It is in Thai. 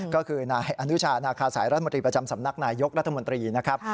ก็คือนายอนุชานาคาสายรัฐมนตรีประจำสำนักนายยกรัฐมนตรีนะครับ